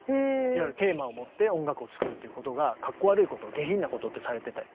いわゆるテーマを持って音楽を作るっていうことがかっこ悪いこと下品なことってされてて。